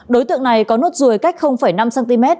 đối tượng này có nốt ruồi cách năm cm